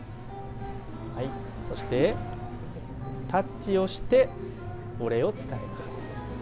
そしてタッチをしてお礼を伝えます。